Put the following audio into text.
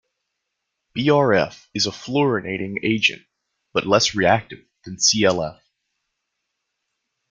BrF is a fluorinating agent, but less reactive than ClF.